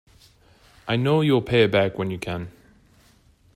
I know you'll pay it back when you can.